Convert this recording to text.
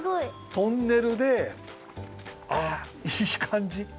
トンネルであいいかんじ。